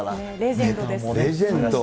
レジェンドです。